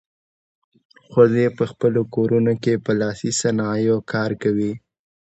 ښځې په خپلو کورونو کې په لاسي صنایعو کار کوي.